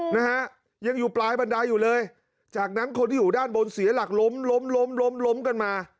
นะฮะยังอยู่ปลายบันไดอยู่เลยจากนั้นคนที่อยู่ด้านบนเสียหลักล้มล้มล้มล้มล้มกันมา